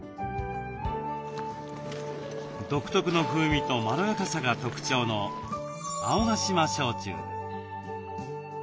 独特の風味とまろやかさが特徴の青ヶ島焼酎。